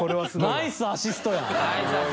ナイスアシスト。